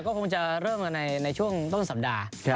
ก็คงจะเริ่มในช่วงช่วงสัปดาห์